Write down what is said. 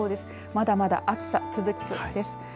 まだまだ暑さ続きそうです。